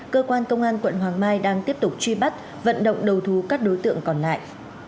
cơ quan công an quận hoàng mai đang tiếp tục truy bắt vận động đầu thú các đối tượng còn lại